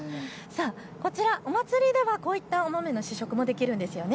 こちらお祭りではこういったお豆の試食もできるんですよね。